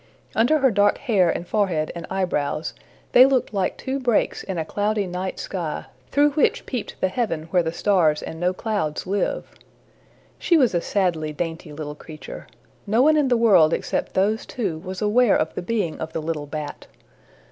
Under her dark hair and forehead and eyebrows, they looked like two breaks in a cloudy night sky, through which peeped the heaven where the stars and no clouds live. She was a sadly dainty little creature. No one in the world except those two was aware of the being of the little bat.